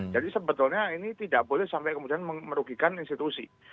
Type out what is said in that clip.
jadi sebetulnya ini tidak boleh sampai kemudian merugikan institusi